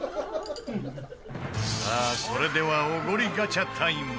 さあ、それではオゴリガチャタイム！